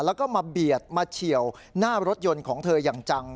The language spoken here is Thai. แล้วก็มาเบียดมาเฉียวหน้ารถยนต์ของเธออย่างจัง